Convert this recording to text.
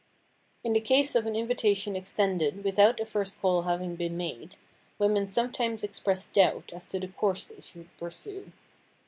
In the case of an invitation extended without a first call having been made, women sometimes express doubt as to the course they should pursue.